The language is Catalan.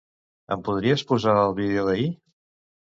Em podries posar el vídeo d'ahir?